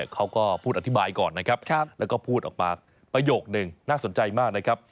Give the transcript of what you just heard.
เขาก็พูดอธิบายก่อนนะครับแล้วก็พูดออกมาประโยคนึงน่าสนใจมากนะครับ